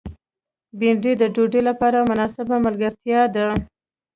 بېنډۍ د ډوډۍ لپاره مناسبه ملګرتیا ده